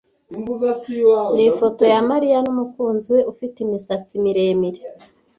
Ni ifoto ya Mariya n'umukunzi we ufite imisatsi miremire.